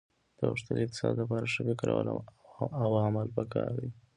د غښتلي اقتصاد لپاره ښه فکر او عمل په کار دي